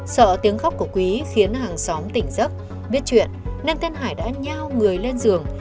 sợ tiếng khóc của quý khiến hàng xóm tỉnh giấc biết chuyện nên tên hải đã nhau người lên giường